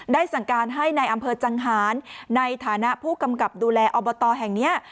สั่งการให้ในอำเภอจังหารในฐานะผู้กำกับดูแลอบตแห่งนี้